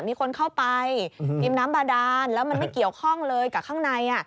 มีคนเข้าไปกินน้ำบาดานแล้วมันไม่เกี่ยวข้องเลยกับข้างใน